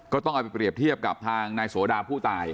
ก็ต้องเอาไปเปรียบเทียบกับทางนายโสดาผู้ตาย